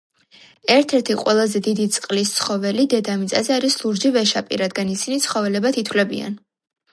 ერთ ერთი ყველაზე დიდი წყლის ცხოველი დედამიწაზე არის ლურჯი ვეშაპი რადგან ისინი ცხოველებად ითვლებიან